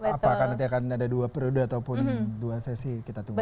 apakah nanti akan ada dua periode ataupun dua sesi kita tunggu